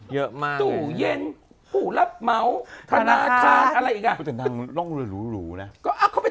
เยอะมากตู้เย็นผู้รับเหมาธนาคารอะไรอีกอ่ะไม่รู้นะก็เป็น